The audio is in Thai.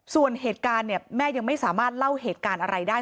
ส่วนเหตุการณ์เนี่ยแม่ยังไม่สามารถเล่าเหตุการณ์อะไรได้